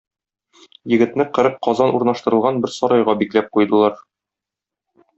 Егетне кырык казан урнаштырылган бер сарайга бикләп куйдылар.